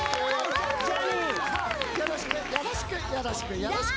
よろしくよろしくよろしくよろしく。